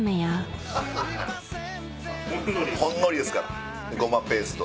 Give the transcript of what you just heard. ほんのりですからごまペースト。